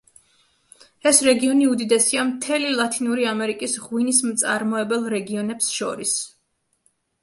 ეს რეგიონი უდიდესია მთელი ლათინური ამერიკის ღვინის მწარმოებელ რეგიონებს შორის.